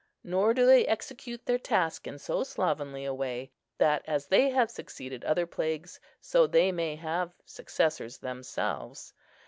Nor do they execute their task in so slovenly a way, that, as they have succeeded other plagues so they may have successors themselves.